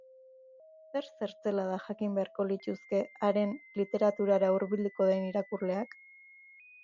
Zer zertzelada jakin beharko lituzke haren literaturara hurbilduko den irakurleak?